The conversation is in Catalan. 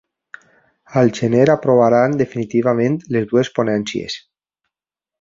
Al gener aprovaran definitivament les dues ponències.